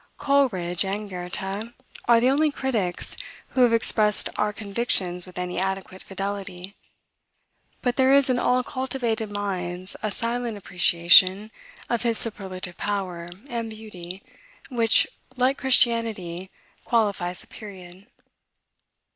Coleridge and Goethe are the only critics who have expressed our convictions with any adequate fidelity: but there is in all cultivated minds a silent appreciation of his superlative power and beauty, which, like Christianity, qualifies the period.